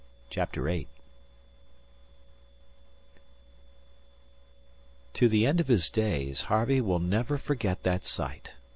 CHAPTER VIII To the end of his days, Harvey will never forget that sight.